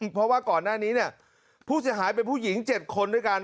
เพราะว่าก่อนหน้านี้เนี่ยผู้เสียหายเป็นผู้หญิง๗คนด้วยกัน